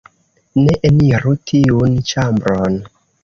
Ne eniru tiun ĉambron...